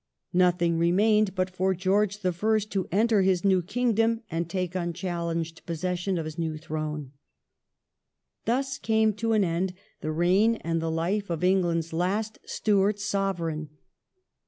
Nothing remained but for George the First to enter his new kingdom and take unchallenged possession of his new throne. Thus came to an end the reign and the life of England's last Stuart Sovereign.